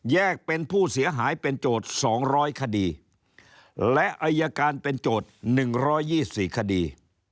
แยกเป็นผู้เสียหายเป็นโจทย์สองร้อยคดีและอัยการเป็นโจทย์หนึ่งร้อยยี่สี่คดี